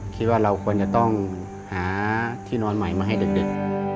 คิดว่าเราควรจะต้องหาที่นอนใหม่มาให้เด็ก